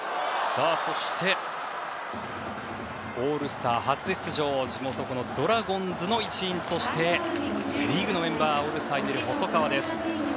そして、オールスター初出場地元ドラゴンズの一員としてセ・リーグのメンバーオールスターに出る細川です。